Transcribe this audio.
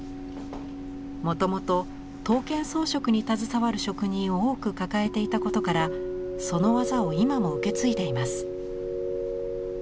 もともと刀剣装飾に携わる職人を多く抱えていたことからその技を今も受け継いでいます。